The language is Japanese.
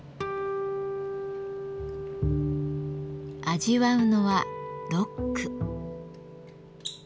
味わうのはロック。